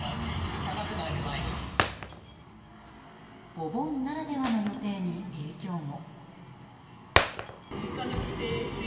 お盆ならではの予定に影響も。